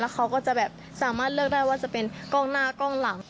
เขาก็จะแบบสามารถเลือกได้ว่าจะเป็นกล้องหน้ากล้องหลัง